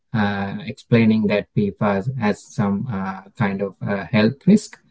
menjelaskan bahwa pfas memiliki risiko kesehatan